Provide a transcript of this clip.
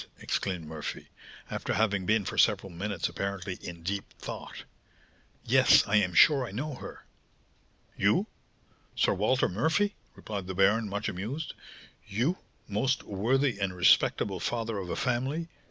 exclaimed Murphy, after having been for several minutes apparently in deep thought. "Yes, I am sure I know her." "You! Sir Walter Murphy," replied the baron, much amused. "You, most worthy and respectable father of a family!